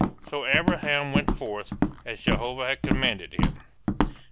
So Abraham went forth, as Jehovah had commanded him.